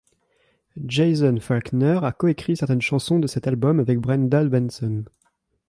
Jason Falkner a coécrit certaines chansons de cet album avec Brendan Benson.